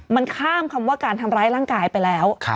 มันข้ามคำว่าการทำร้ายร่างกายไปแล้ว